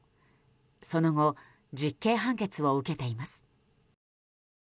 その後実刑判決を受けています。